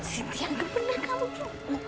sintia enggak pernah kamu tuh